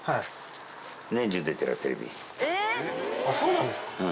あそうなんですか？